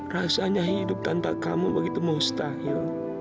rasanya hidup tanpa kamu begitu mustahil